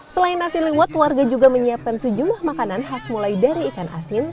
selain nasi liwet warga juga menyiapkan sejumlah makanan khas mulai dari ikan asin